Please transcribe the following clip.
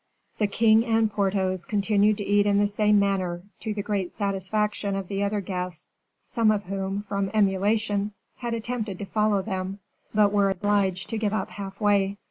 The king and Porthos continued to eat in the same manner, to the great satisfaction of the other guests, some of whom, from emulation, had attempted to follow them, but were obliged to give up half way.